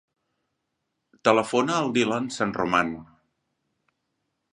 Telefona al Dylan Sanroman.